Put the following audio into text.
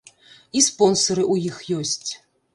І спонсары ў іх ёсць.